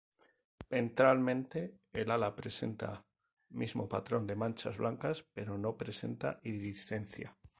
Ventralmente el ala presenta mismo patrón de manchas blancas pero no presenta iridiscencia.